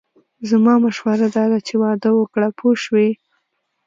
زما مشوره داده چې واده وکړه پوه شوې!.